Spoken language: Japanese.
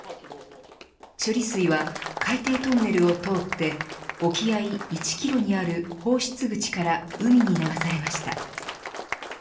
処理水は海底トンネルを通って沖合１キロにある放出口から海に流されました。